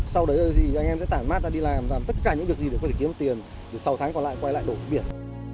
sau đấy thì anh em sẽ tản mát ra đi làm làm tất cả những việc gì để có thể kiếm tiền để sáu tháng còn lại quay lại đổ biển